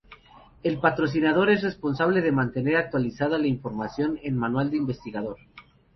El patrocinador es responsable de mantener actualizada la información en el manual del investigador.